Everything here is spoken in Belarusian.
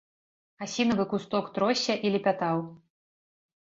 Асінавы кусток тросся і лепятаў.